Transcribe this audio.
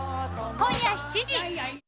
今夜７時。